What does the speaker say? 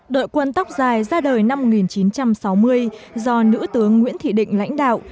đội quân tóc dài ra đời năm một nghìn chín trăm sáu mươi do nữ tướng nguyễn thị định lãnh đạo